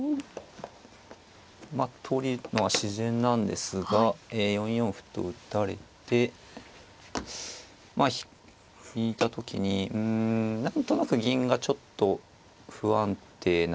まあ取るのは自然なんですが４四歩と打たれてまあ引いた時にうん何となく銀がちょっと不安定な形といいますか。